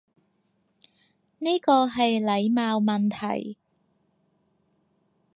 呢個係禮貌問題